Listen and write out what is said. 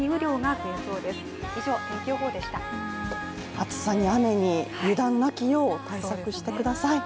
暑さに雨に、油断なきよう対策してください。